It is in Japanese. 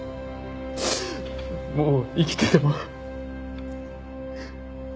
もう生きてても。